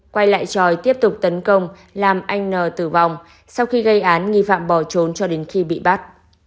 quay lại tròi tiếp tục tấn công làm anh n tử vong sau khi gây án nghi phạm bỏ trốn cho đến khi bị bắt